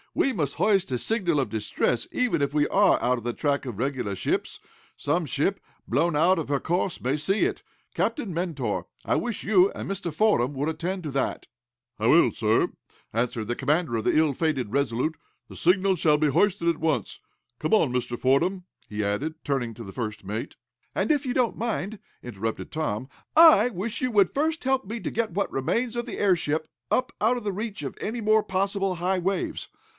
We must hoist a signal of distress, even if we are out of the track of regular vessels. Some ship, blown out of her course may see it. Captain Mentor, I wish you and Mr. Fordam would attend to that." "I will, sir," answered the commander of the ill fated RESOLUTE. "The signal shall be hoisted at once. Come on, Mr. Fordam," he added, turning to the first mate. "If you don't mind," interrupted Tom, "I wish you would first help me to get what remains of the airship up out of reach of any more possible high waves.